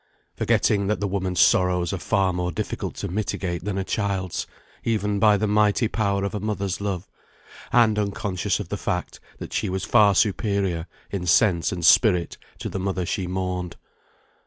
Forgetting that the woman's sorrows are far more difficult to mitigate than a child's, even by the mighty power of a mother's love; and unconscious of the fact, that she was far superior in sense and spirit to the mother she mourned.